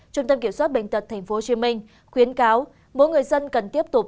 trung tâm kiểm soát bệnh tật tp hcm khuyến cáo mỗi người dân cần tiếp tục